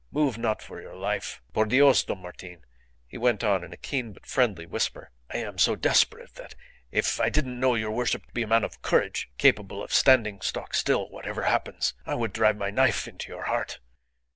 Move not for your life. Por Dios, Don Martin," he went on in a keen but friendly whisper, "I am so desperate that if I didn't know your worship to be a man of courage, capable of standing stock still whatever happens, I would drive my knife into your heart."